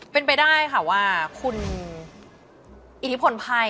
เป็นไปได้ค่ะว่าคุณอิทธิพลไพ่